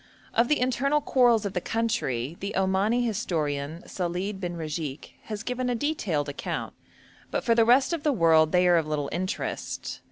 Of the internal quarrels of the country, the Omani historian Salid bin Ragik has given a detailed account, but for the rest of the world they are of little interest.